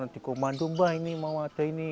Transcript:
dikomando mbah ini mbah ada ini